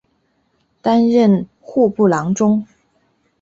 担任户部郎中。